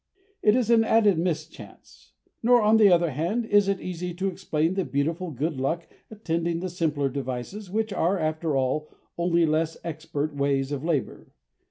It is an added mischance. Nor, on the other hand, is it easy to explain the beautiful good luck attending the simpler devices which are, after all, only less expert ways of labour.